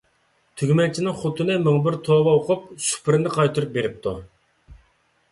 تۈگمەنچىنىڭ خوتۇنى مىڭ بىر توۋا ئوقۇپ، سۇپرىنى قايتۇرۇپ بېرىپتۇ.